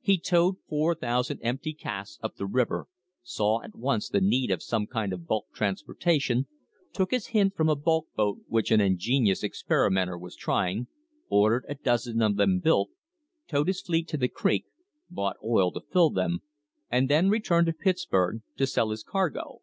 He towed 4,000 empty casks up the river, saw at once the need of some kind of bulk transportation, took his hint from a bulk boat which an ingenious experimenter was trying, ordered a dozen of them built, towed his fleet to the creek, bought oil to fill them, and then returned to Pittsburg to sell his cargo.